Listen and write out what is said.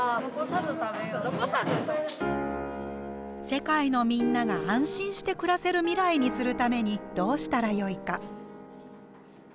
世界のみんなが安心して暮らせる未来にするためにどうしたらよいか。